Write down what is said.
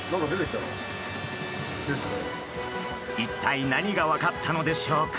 一体何が分かったのでしょうか？